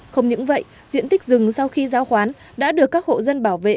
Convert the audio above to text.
không những vậy diện tích rừng sau khi giao khoán đã được các hộ dân bảo vệ